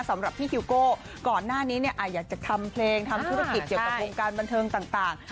สำหรับพี่ฮิวโก้ก่อนหน้านี้อยากจะทำเพลงทำธุรกิจเกี่ยวกับวงการบันเทิงต่าง